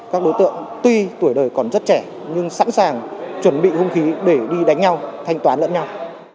các đối tượng tuy tuổi đời còn rất trẻ nhưng sẵn sàng chuẩn bị hung khí để đi đánh nhau thanh toán lẫn nhau